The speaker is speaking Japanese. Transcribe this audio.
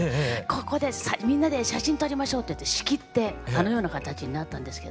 ここでみんなで写真撮りましょうって言って仕切ってあのような形になったんですけど。